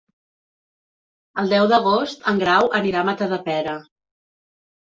El deu d'agost en Grau anirà a Matadepera.